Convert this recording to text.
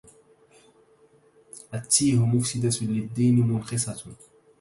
التيه مفسدة للدين منقصة